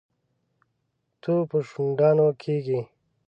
تو په شونډانو کېږي.